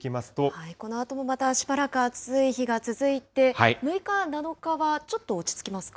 このあともまたしばらく暑い日が続いて、６日、７日はちょっと落ち着きますか。